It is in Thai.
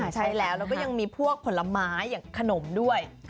ใช่แล้วแล้วก็ยังมีพวกผลไม้อย่างขนมด้วย